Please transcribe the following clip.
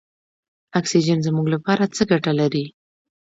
اکسیجن زموږ لپاره څه ګټه لري.